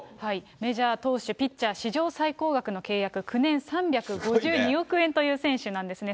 メジャー投手、ピッチャー史上最高額の契約、９年３５２億円という選手なんですね。